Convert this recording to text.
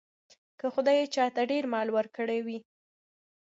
که خدای چاته ډېر مال ورکړی وي.